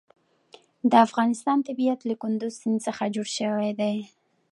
د افغانستان طبیعت له کندز سیند څخه جوړ شوی دی.